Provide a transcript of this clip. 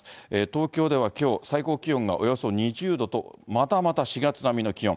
東京ではきょう、最高気温がおよそ２０度とまたまた４月並みの気温。